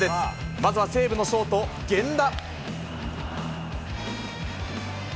まずは西武のショート、源田。